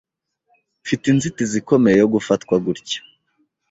Mfite inzitizi ikomeye yo gufatwa gutya.